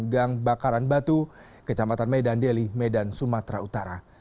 gang bakaran batu kecamatan medan deli medan sumatera utara